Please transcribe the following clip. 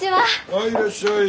はいいらっしゃい！